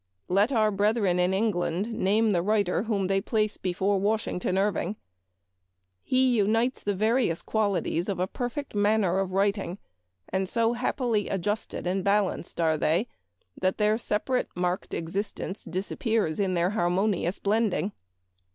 Let our brethren in England name the writer whom they place before Washington Irving. He unites the various qualities of a perfect manner of writing ; and so happily adjusted and balanced are they, that their separate marked existence disappears in their harmonious blending.